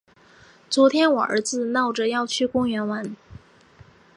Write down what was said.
昨天我儿子闹着要去公园玩。